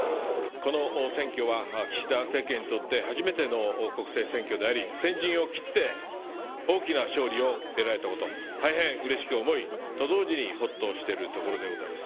この選挙は岸田政権にとって初めての国政選挙であり、先陣を切って大きな勝利を得られたこと大変うれしく思い、と同時にほっとしているところでございます。